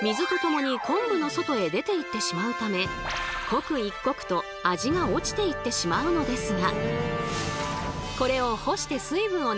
刻一刻と味が落ちていってしまうのですが。